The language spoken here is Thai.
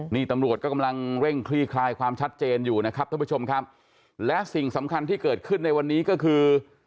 นี่ตำรวจก็กำลังเร่งคลี่คลายความชัดเจนอยู่นะครับท่านผู้ชมครับและสิ่งสำคัญที่เกิดขึ้นในวันนี้ก็คือ